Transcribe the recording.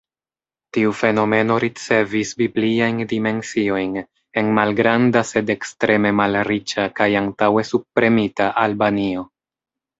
Tiu fenomeno ricevis bibliajn dimensiojn en malgranda sed ekstreme malriĉa kaj antaŭe subpremita Albanio.